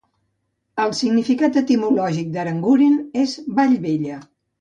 El significat etimològic d'Aranguren és vall bella.